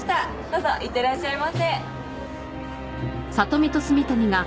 どうぞいってらっしゃいませ。